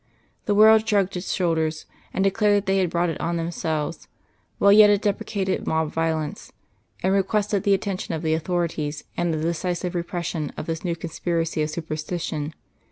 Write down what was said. The world shrugged its shoulders, and declared that they had brought it on themselves, while yet it deprecated mob violence, and requested the attention of the authorities and the decisive repression of this new conspiracy of superstition.